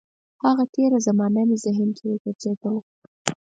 هغه تېره زمانه مې ذهن کې وګرځېدله.